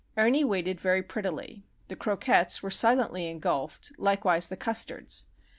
Ernie waited very prettily; the croquettes were silently engulfed, likewise the custards.